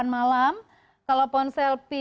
delapan malam kalau ponsel